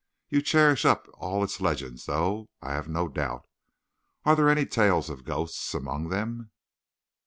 You cherish up all its legends, though, I have no doubt. Are there any tales of ghosts among them?